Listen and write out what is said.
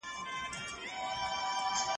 هغه څوک چي لولي خپل نظر لري.